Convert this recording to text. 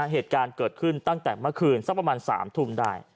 เฮดการณ์เกิดขึ้นตั้งแต่เมื่อกว่าซักประมาณสามถุงได้